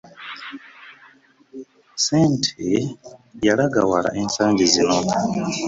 ssente yalaga wala ensangi zino.